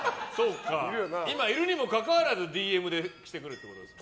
今いるにもかかわらずＤＭでしてくるってことですか。